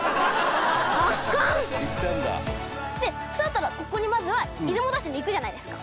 普通だったらここにまずは出雲大社に行くじゃないですか。